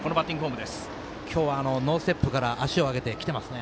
今日はノーステップから足を上げてきていますね。